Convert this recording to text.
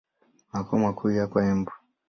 Makao makuu yako Embu.